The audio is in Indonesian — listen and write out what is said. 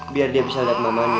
biar dia bisa lihat mamanya